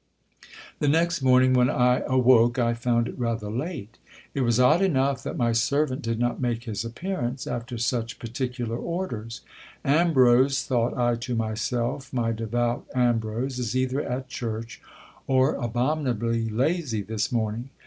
The next morning, when I awoke, I found it rather late. It was odd enough 36 GIL BLAS. that my servant did not make his appearance, after such particular orders. Am brose, thought I to myself, my devout Ambrose is either at church, or abomin ably lazy this morning.